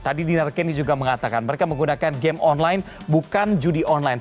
tadi dinar kenny juga mengatakan mereka menggunakan game online bukan judi online